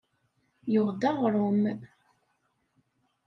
Yuɣ-d aɣṛum.